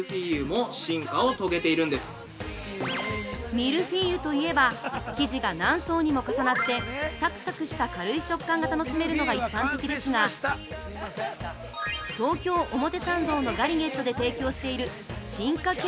◆ミルフィーユといえば生地が何層にも重なってサクサクした軽い食感が楽しめるのが一般的ですが東京表参道のガリゲットで提供している進化系